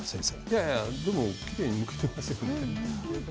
いやいやでもきれいにむけていますよ。